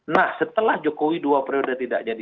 nah setelah jokowi dua periode tidak jadi